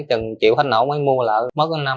thì ngày hôm nay không có bệnh nhân